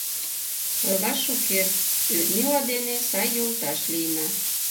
Ойлаш уке, Людмила дене сай йолташ лийна.